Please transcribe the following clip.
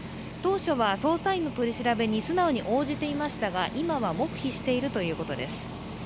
当初は捜査員の取り調べに素直に応じていましたが今は黙秘しているということです。